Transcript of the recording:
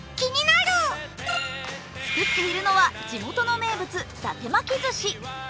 作っているのは地元の名物、伊達巻きずし。